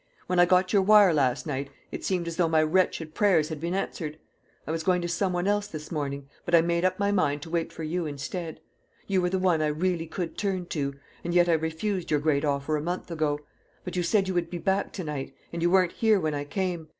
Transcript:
When I got your wire last night it seemed as though my wretched prayers had been answered. I was going to someone else this morning, but I made up my mind to wait for you instead. You were the one I really could turn to, and yet I refused your great offer a month ago. But you said you would be back to night; and you weren't here when I came.